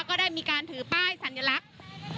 ก็ได้มีการถือป้ายสัญลักษณ์